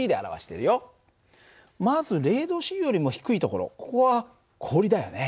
まず０℃よりも低いところここは氷だよね。